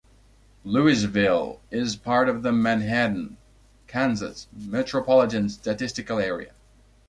Louisville is part of the Manhattan, Kansas Metropolitan Statistical Area.